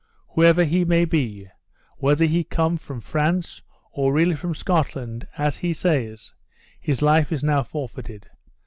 Whoever he may be, whether he came from France, or really from Scotland, as he says, his life is now forfeited.